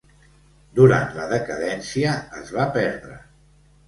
Durant la decadència es va perdre.